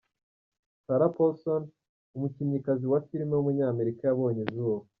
Sarah Paulson, umukinnyikazi wa filime w’umunyamerika yabonye izuba.